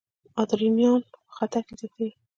ادرانالین خطر کې زیاتېږي.